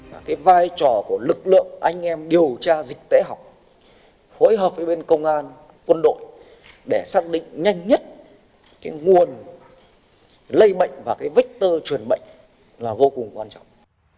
và cái vai trò của lực lượng anh em điều tra dịch tễ học phối hợp với bên công an quân đội để xác định nhanh nhất cái nguồn lây bệnh và cái vector truyền bệnh là vô cùng quan trọng